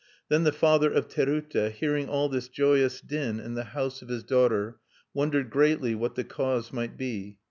Then the father of Terute, hearing all this joyous din in the house of his daughter, wondered greatly what the cause might be.